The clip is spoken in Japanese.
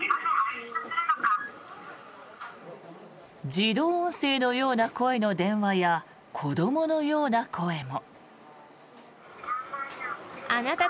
自動音声のような声の電話や子どものような声も。